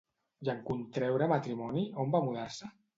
I en contreure matrimoni, on va mudar-se?